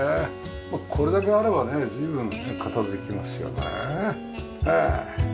まあこれだけあればね随分片付きますよね。